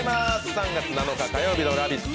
３月７日火曜日の「ラヴィット！」